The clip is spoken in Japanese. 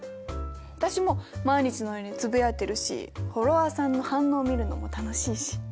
私も毎日のようにつぶやいてるしフォロワーさんの反応を見るのも楽しいし。